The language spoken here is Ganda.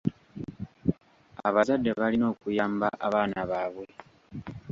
Abazadde balina okuyamba abaana baabwe.